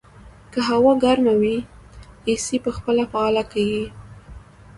که هوا ګرمه وي، اې سي په خپله فعاله کېږي.